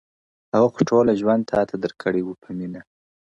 هغه خو ټوله ژوند تاته درکړی وو په مينه؛